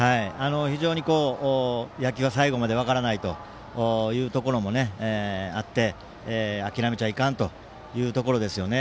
非常に野球は最後まで分からないというところもあって諦めちゃいかんというところですよね。